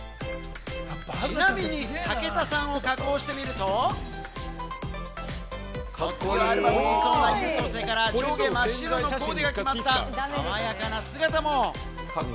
ちなみに武田さんを加工してみると、卒業アルバムにいそうな優等生から上下真っ白のコーデが決まった爽やかな姿も。